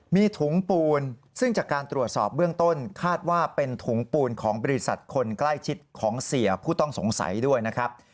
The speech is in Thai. มีถุงปูนซึ่งจากการตรวจสอบเบื้องต้นคาดว่าเป็นถุงปูนของบริษัทคนใกล้ชิดของเสียผู้ต้องสงสัยด้วยนะครับ